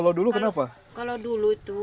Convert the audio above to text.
kalau dulu itu laki laki itu